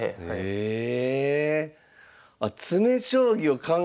へえ！